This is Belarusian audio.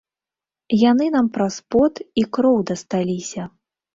Яны нам праз пот і кроў дасталіся.